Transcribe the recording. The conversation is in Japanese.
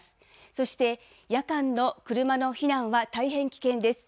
そして、夜間の車の避難は大変危険です。